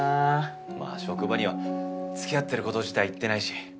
まあ職場には付き合ってること自体言ってないし。